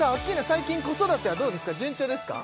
最近子育てはどうですか順調ですか？